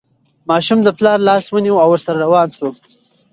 ماشوم د پلار لاس ونیو او ورسره روان شو.